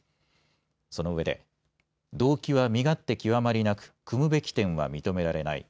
そのうえで動機は身勝手極まりなくくむべき点は認められない。